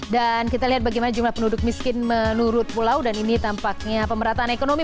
dan kita lihat bagaimana jumlah penduduk miskin menurut pulau dan ini tampaknya pemerataan ekonomi